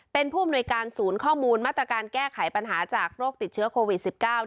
เป็นผู้อำนวยการศูนย์ข้อมูลมาตรการแก้ไขปัญหาจากโรคติดเชื้อโควิด๑๙